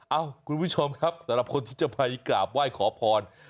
เอ้าคุณผู้ชมครับสำหรับคนที่จะไปกราบไหว้ขอพร